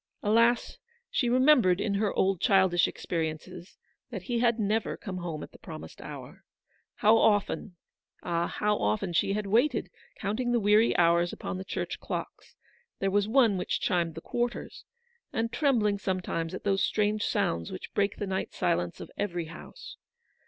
Alas ! she remembered in her old childish experiences, that he had never come home at the promised hour. How often, ah, how often, she had waited, counting the weary hours upon the church clocks, — there was one which chimed the quarters ; and trembling sometimes at those strange sounds which break the night silence of every house.